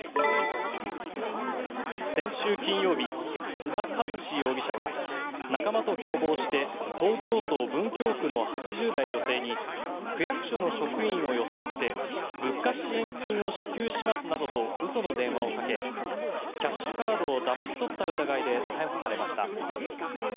先週金曜日須田一士容疑者は仲間と共謀して東京都文京区の８０代女性に区役所の職員を装って物価支援金を支給しますなどと嘘の電話をかけキャッシュカードをだまし取った疑いで逮捕されました。